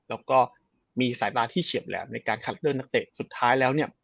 แล้วก็มีสายตาที่เฉียบแหลมในการคัดเลือกนักเตะสุดท้ายแล้วเนี่ย